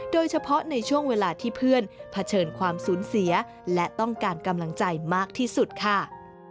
โดยเฉพาะในช่วงเวลาที่เพื่อนเผชิญความสูญเสียและต้องการกำลังใจมากที่สุดค่ะ